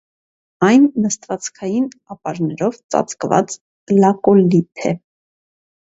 Այն նստվածքային ապարներով ծածկված լակոլիթ է։